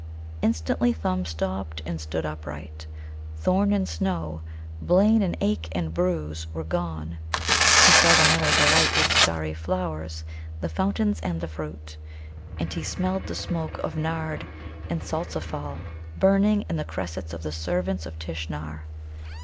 Instantly Thumb stopped and stood upright. Thorn and snow, blain and ache and bruise, were gone. He saw the meadows alight with starry flowers, the fountains and the fruit. And he smelled the smoke of nard and soltziphal burning in the cressets of the servants of Tishnar.